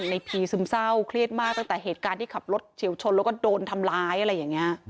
พีซึมเศร้าเครียดมากตั้งแต่เหตุการณ์ที่ขับรถเฉียวชนแล้วก็โดนทำร้ายอะไรอย่างนี้